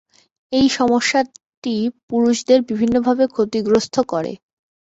এই সমস্যাটি পুরুষদের ভিন্নভাবে ক্ষতিগ্রস্ত করে।